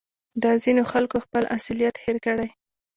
دا ځینو خلکو خپل اصلیت هېر کړی